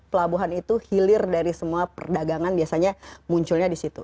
pelabuhan itu hilir dari semua perdagangan biasanya munculnya di situ